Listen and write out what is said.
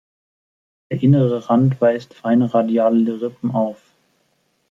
Der innere Rand weist feine radiale Rippen auf.